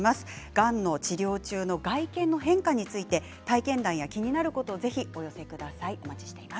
がんの治療中の外見の変化について体験談や気になることをぜひ、お寄せください。